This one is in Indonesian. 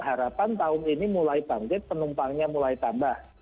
harapan tahun ini mulai bangkit penumpangnya mulai tambah